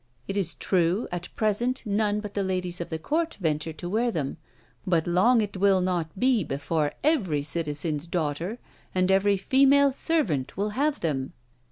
It is true, at present none but the ladies of the court venture to wear them; but long it will not be before every citizen's daughter and every female servant, will have them!"